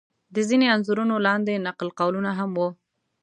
د ځینو انځورونو لاندې نقل قولونه هم و.